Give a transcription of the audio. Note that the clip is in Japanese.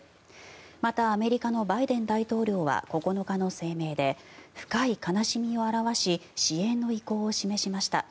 また、アメリカのバイデン大統領は９日の声明で深い悲しみを表し支援の意向を示しました。